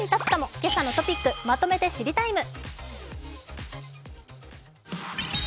「けさのトピックまとめて知りＴＩＭＥ，」。